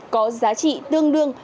có giá trị tương đương